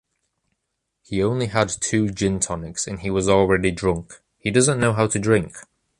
He only had two gin tonics and he was already drunk. He doesn't know how to drink.